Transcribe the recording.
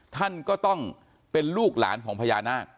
ท่านก็ต้องเป็นลูกหลานของพญานาค